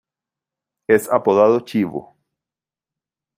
Es apodado "Chivo".